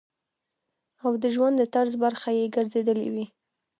او د ژوند د طرز برخه ئې ګرځېدلي وي -